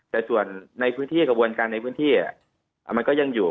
แต่ส่วนในพื้นที่กระบวนการในพื้นที่มันก็ยังอยู่